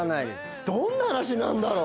どんな話になるんだろう。